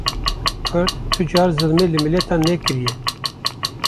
Kurd tu car zilmê li miletan nekiriye